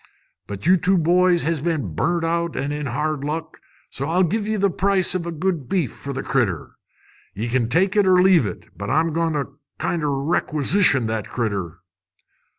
But you two boys has been burnt out an' in hard luck, so I'll give ye the price o' good beef for the critter. Ye kin take it or leave it. But I'm going to kinder requisition the critter."